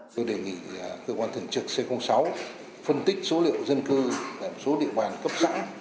tôi đề nghị cơ quan thường trực c sáu phân tích số liệu dân cư tại một số địa bàn cấp xã